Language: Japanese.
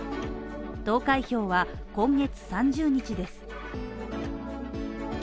投開票は今月３０日です。